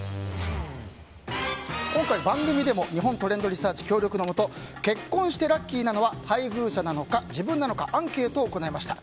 今回、番組でも日本トレンドリサーチ協力のもと結婚してラッキーなのは配偶者か自分かアンケートを行いました。